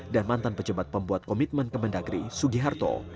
dan mantan pecembat pembuat komitmen kemendagri sugiharto